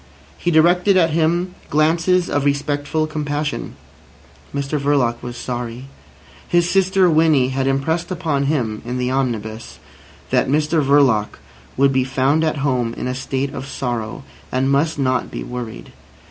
He directed at him glances of respectful compassion. Mr Verloc was sorry. His sister Winnie had impressed upon him (in the omnibus) that Mr Verloc would be found at home in a state of sorrow, and must not be worried.